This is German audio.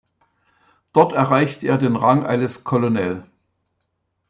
Dort erreichte er den Rang eines Colonel.